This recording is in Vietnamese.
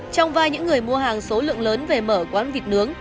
trong vai những người mua hàng số lượng lớn về mở quán vịt nướng